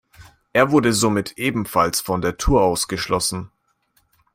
Er wurde somit ebenfalls von der Tour ausgeschlossen.